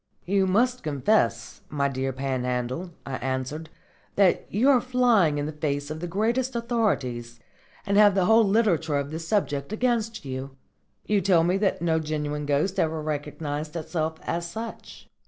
"You must confess, my dear Panhandle," I answered, "that you are flying in the face of the greatest authorities, and have the whole literature of the subject against you. You tell me that no genuine ghost ever recognised itself as such."